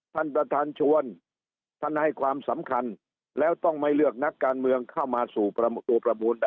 ท่านประธานชวนท่านให้ความสำคัญแล้วต้องไม่เลือกนักการเมืองเข้ามาสู่ตัวประมูล